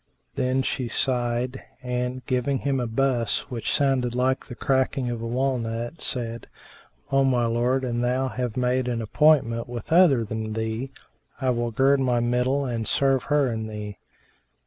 Then she sighed and, giving him a buss which sounded like the cracking of a walnut, said, "O my lord, an thou have made an appointment with other than with me, I will gird my middle and serve her and thee.